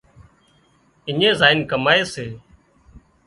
اڃي زائينَ ڪمائي سي